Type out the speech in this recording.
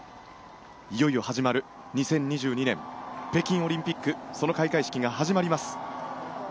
いよいよ始まる２０２２年北京オリンピックその開会式が始まります。